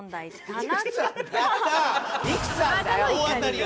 大当たりや！